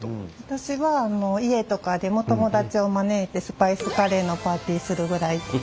私は家とかでも友達を招いてスパイスカレーのパーティーするぐらいカレーが好きです。